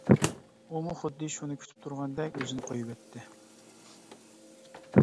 ئۇمۇ خۇددى شۇنى كۈتۈپ تۇرغاندەك ئۆزىنى قويۇۋەتتى.